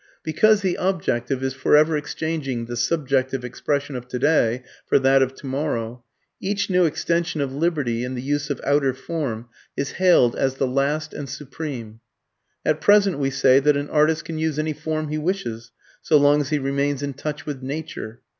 Because the objective is forever exchanging the subjective expression of today for that of tomorrow, each new extension of liberty in the use of outer form is hailed as the last and supreme. At present we say that an artist can use any form he wishes, so long as he remains in touch with nature.